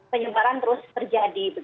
penyebaran terus terjadi